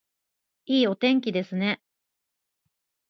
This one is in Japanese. いいお天気ですね